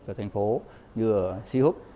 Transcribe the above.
ở thành phố như ở si húc